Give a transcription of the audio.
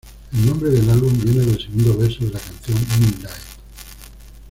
El nombre del álbum viene del segundo verso de la canción "Moonlight".